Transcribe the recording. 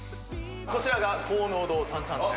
こちらが高濃度炭酸泉。